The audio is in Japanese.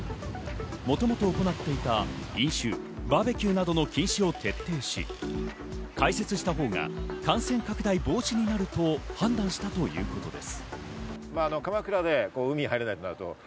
もともと行っていた飲酒、バーベキューなどの禁止を徹底して、開設したほうが感染拡大防止になると判断したということです。